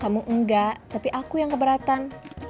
kamu enggak tapi aku yang keberatan